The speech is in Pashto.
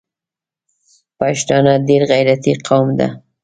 پښتانه ډېر غیرتي قوم ده